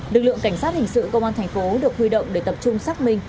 lực lượng cảnh sát hình sự công an thành phố được huy động để tập trung xác minh